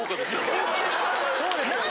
そうですよね！